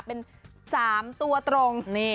เป็น๓ตัวตรง